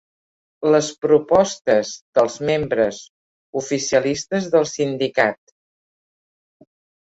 Les propostes dels membres oficialistes del sindicat.